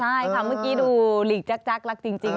ใช่ค่ะเมื่อกี้ดูหลีกจักรักจริง